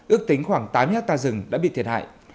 ước tính khoảng tám hectare rừng đã bị thiệt hại